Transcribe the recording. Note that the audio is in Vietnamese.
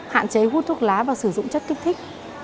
hạn chế hút thuốc lá và sử dụng chất kích thích